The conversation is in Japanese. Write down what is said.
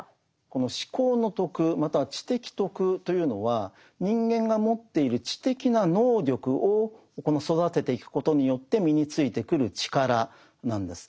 この思考の徳または知的徳というのは人間が持っている知的な能力を育てていくことによって身についてくる力なんです。